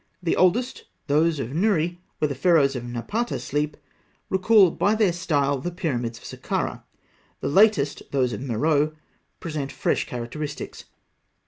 The oldest, those of Nûrri, where the Pharaohs of Napata sleep, recall by their style the pyramids of Sakkarah; the latest, those of Meroë, present fresh characteristics.